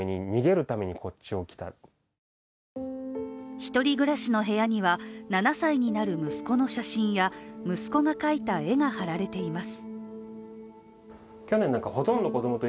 １人暮らしの部屋には、７歳になる息子の写真や息子が描いた絵が貼られています。